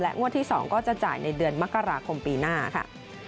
งวดที่๒ก็จะจ่ายในเดือนมกราคมปีหน้าค่ะ